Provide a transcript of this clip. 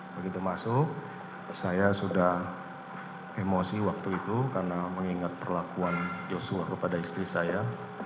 begitu masuk saya sudah emosi waktu itu karena mengingat perlakuan joshua kepada istri saya